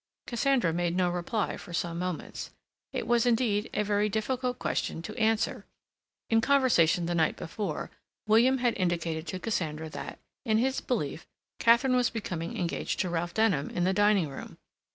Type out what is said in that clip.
Cassandra made no reply for some moments. It was, indeed, a very difficult question to answer. In conversation the night before, William had indicated to Cassandra that, in his belief, Katharine was becoming engaged to Ralph Denham in the dining room.